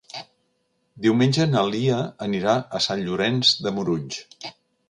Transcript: Diumenge na Lia anirà a Sant Llorenç de Morunys.